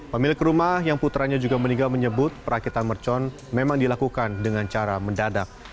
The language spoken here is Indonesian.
pemilik rumah yang putranya juga meninggal menyebut perakitan mercon memang dilakukan dengan cara mendadak